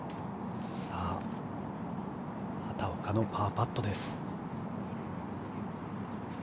畑岡のパーパットです。